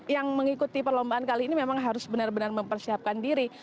yang mengikuti perlombaan kali ini memang harus benar benar mempersiapkan diri